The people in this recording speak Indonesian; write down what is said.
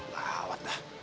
lah awet dah